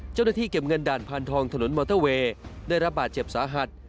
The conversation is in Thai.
เจ้าหน้าที่เก็บเงินด่านพานทองถนนมอเตอร์เวย์ได้รับบาดเจ็บสาหัส